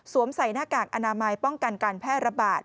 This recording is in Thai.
ใส่หน้ากากอนามัยป้องกันการแพร่ระบาด